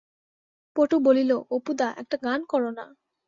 পটু বলিল, অপু-দা একটা গান কর না?